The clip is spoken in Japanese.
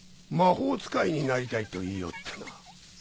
魔法使いになりたいと言いおってな。